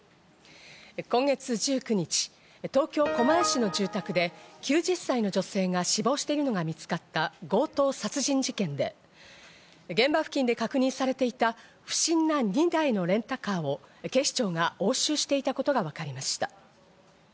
今月１９日、東京・狛江市の住宅で９０歳の女性が死亡しているのが見つかった強盗殺人事件で、現場付近で確認されていた不審な２台のレンタカーを警視庁が押収していたことがわかりました。